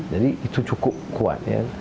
jadi itu cukup kuat ya